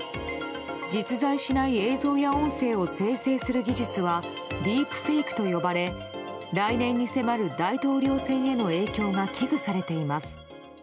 実在しない映像や音声を生成する技術はディープフェイクと呼ばれ来年に迫る大統領選への影響が危惧されています。